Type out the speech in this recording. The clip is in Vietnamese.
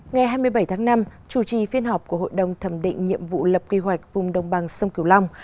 ngày hai mươi bảy tháng năm chủ trì phiên họp của hội đồng thẩm định nhiệm vụ lập quy hoạch vùng đồng bằng sông cửu long